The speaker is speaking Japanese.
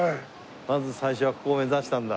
まず最初はここを目指したんだ。